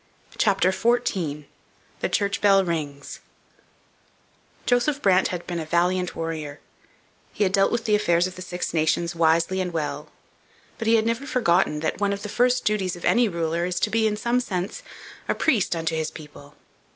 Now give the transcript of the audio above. CHAPTER XIV THE CHURCH BELL RINGS Joseph Brant had been a valiant warrior; he had dealt with the affairs of the Six Nations wisely and well. But he had never forgotten that one of the first duties of any ruler is to be, in some sense, a priest unto his people.